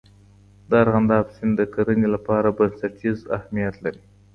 دارغنداب سیند د کرنې لپاره بنسټیز اهمیت لري.